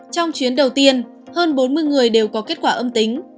trong chuyến đầu tiên hơn bốn mươi người đều có kết quả âm tính